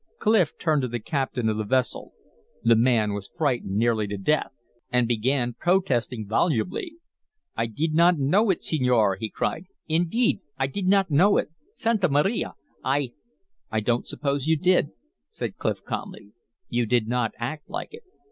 Clif turned to the captain of the vessel; the man was frightened nearly to death, and began protesting volubly. "I did not know it, senor!" he cried. "Indeed, I did not know it! Santa Maria! I " "I don't suppose you did," said Clif, calmly. "You did not act like it.